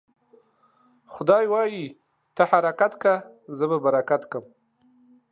خداى وايي: ته حرکت که ، زه به برکت کم.